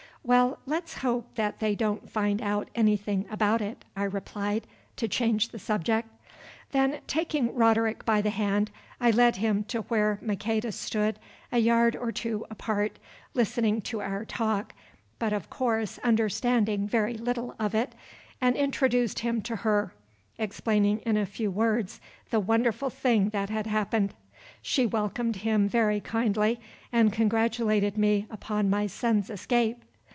"Well, let's hope that they don't find out anything about it," I replied, to change the subject. Then taking Roderick by the hand I led him to where Maqueda stood a yard or two apart, listening to our talk, but, of course, understanding very little of it, and introduced him to her, explaining in a few words the wonderful thing that had happened. She welcomed him very kindly, and congratulated me upon my son's escape.